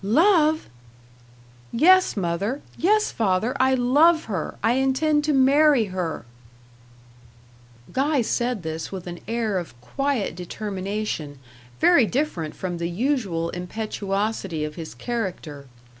"Love!" "Yes, mother! Yes, father! I love her. I intend to marry her." Guy said this with an air of quiet determination, very different from the usual impetuosity of his character.